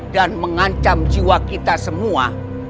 dan mengancam jiwa kita semua